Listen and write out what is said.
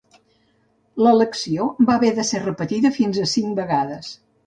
L'elecció va haver de ser repetida fins a cinc vegades.